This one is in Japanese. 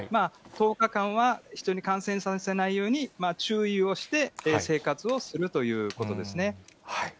１０日間は人に感染させないように注意をして、生活をするということですね。